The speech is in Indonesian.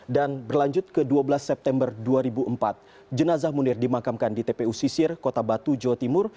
dan berlanjut ke dua belas september dua ribu empat jenazah munir dimakamkan di tpu sisir kota batu jawa timur